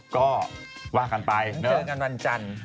ก็ว่ากันไปวันจันทร์เจอกัน